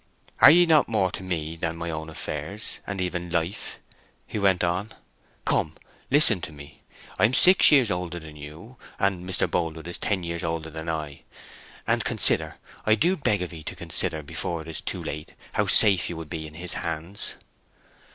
"Are ye not more to me than my own affairs, and even life!" he went on. "Come, listen to me! I am six years older than you, and Mr. Boldwood is ten years older than I, and consider—I do beg of 'ee to consider before it is too late—how safe you would be in his hands!"